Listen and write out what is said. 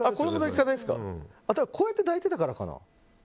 こうやって抱いてたからかな？